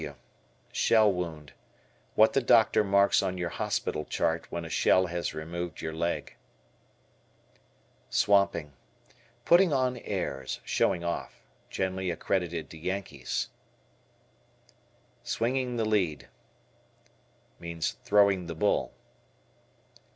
S.W. Shell wound. What the doctor marks on your hospital chart when a shell has removed your leg. Swamping. Putting on airs; showing off. Generally accredited to Yankees. "Swinging the lead." Throwing the bull.